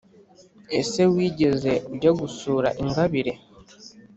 Ese wigeze ujya gusura ingabire?